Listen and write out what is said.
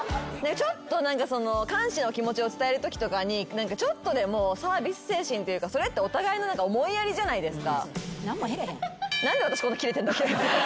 ちょっと感謝の気持ちを伝えるときとかにちょっとでもサービス精神っていうかそれってお互いの思いやりじゃないですか。